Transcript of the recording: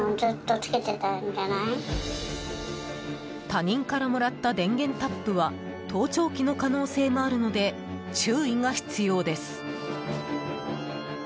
他人からもらった電源タップは盗聴器の可能性もあるので注意が必要です。